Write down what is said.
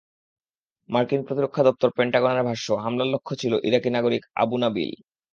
মার্কিন প্রতিরক্ষা দপ্তর পেন্টাগনের ভাষ্য, হামলার লক্ষ্য ছিলেন ইরাকি নাগরিক আবু নাবিল।